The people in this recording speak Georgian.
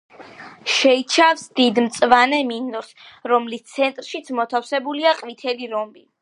შეიცავს დიდ მწვანე მინდორს, რომლის ცენტრშიც მოთავსებულია ყვითელი რომბი.